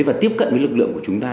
và tiếp cận với lực lượng của chúng ta